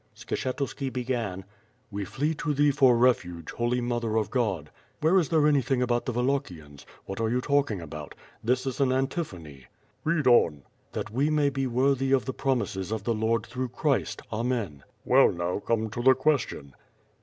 Skshetuski began: "We flee to thee for refuge, Holy Mother of God," — Where is there anything about the Wal lachians? What are you talking about? This is an anti phone." "Bead on." " That we may be worthy of the promises of the Lord through Christ, Amen." "Well, now come to the question."